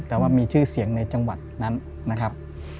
แต่ว่ามีชื่อเสียงในจังหวัดนั้นนะครับ